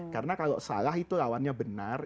karena kalau salah itu lawannya benar